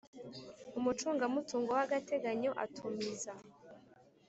Umucungamutungo w agateganyo atumiza